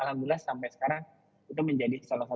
alhamdulillah sampai sekarang itu menjadi salah satu